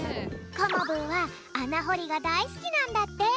コモブーはあなほりがだいすきなんだって！